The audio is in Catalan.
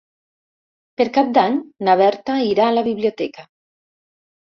Per Cap d'Any na Berta irà a la biblioteca.